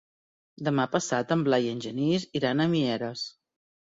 Demà passat en Blai i en Genís iran a Mieres.